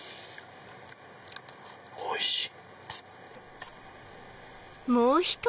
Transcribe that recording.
おいしい！